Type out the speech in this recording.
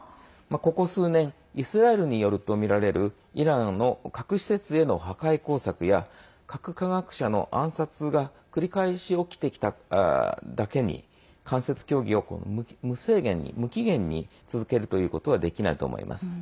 ここ数年イスラエルによるとみられるイランの核施設への破壊工作や核科学者の暗殺が繰り返し起きてきただけに間接協議を無制限に無期限に続けるということはできないと思います。